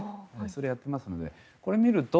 それをやっていますのでこれを見ると